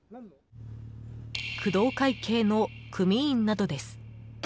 工藤会系の組員などです。